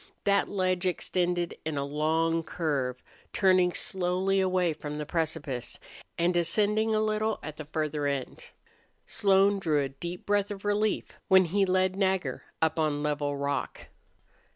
That ledge extended in a long curve, turning slowly away from the precipice, and ascending a little at the further end. Slone drew a deep breath of relief when he led Nagger up on level rock.